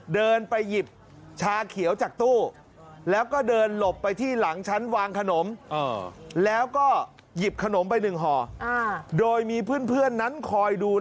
เดินไปหยิบชาเขียวจากตู้